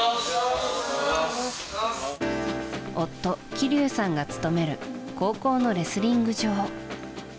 夫・希龍さんが勤める高校のレスリング場。